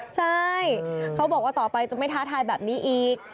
ใช่เขาบอกว่าต่อไปจะไม่ท้าทายแบบนี้อีก